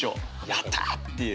やったっていう。